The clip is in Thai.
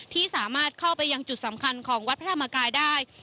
ที่สามารถเข้าไปยังจุดสำคัญของวัดพระธรรมกายได้